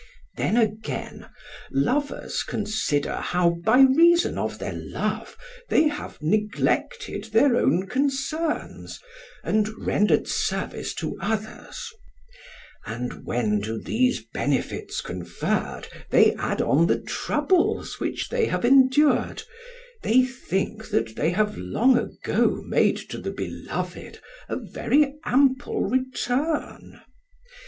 Then again, lovers consider how by reason of their love they have neglected their own concerns and rendered service to others: and when to these benefits conferred they add on the troubles which they have endured, they think that they have long ago made to the beloved a very ample return.